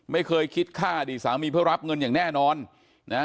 ไม่เคยคิดค่าอดีตสามีเพื่อรับเงินอย่างแน่นอนนะฮะ